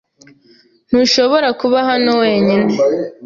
Ntushobora kuba hano wenyine.